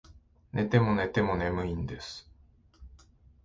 寝ても寝ても眠いんです